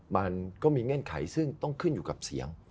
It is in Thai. มันก็มีเงื่อนไขซึ่งต้องขึ้นอยู่กับเสียง